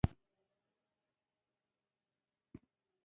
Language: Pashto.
زما هیواده پر ما ګرانه یو څو اوښکي درلېږمه